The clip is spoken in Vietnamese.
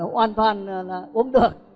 hoàn toàn là uống được